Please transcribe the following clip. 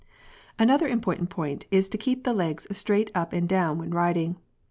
i> Another important point is to keep the legs straight up and down when riding.